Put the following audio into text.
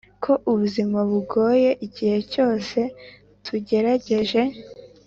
ko ubuzima bugoye igihe cyose tugerageje